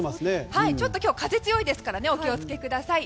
ちょっと今日は風が強いですからお気を付けください。